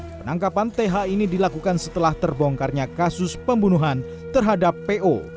penangkapan th ini dilakukan setelah terbongkarnya kasus pembunuhan terhadap po